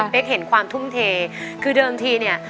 เห็นความทุ่มเทคือเดิมทีเนี่ย